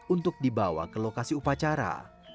untuk dibawa ke lokasi upacara